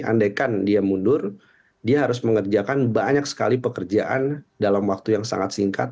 andaikan dia mundur dia harus mengerjakan banyak sekali pekerjaan dalam waktu yang sangat singkat